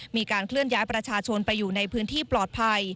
มีการเคลื่อนย้ายประชาชนไปอยู่ในพื้นที่ปลอดภัย